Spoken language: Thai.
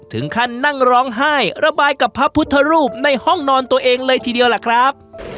ถึงขั้นนั่งร้องไห้ระบายกับพระพุทธรูปในห้องนอนตัวเองเลยทีเดียวล่ะครับ